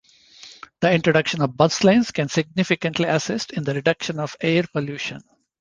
The introduction of bus lanes can significantly assist in the reduction of air pollution.